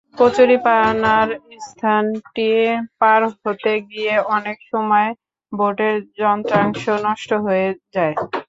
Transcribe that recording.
কচুরিপানার স্থানটি পার হতে গিয়ে অনেক সময় বোটের যন্ত্রাংশ নষ্ট হয়ে যায়।